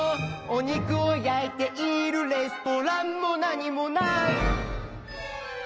「おにくをやいているレストランもなにもない」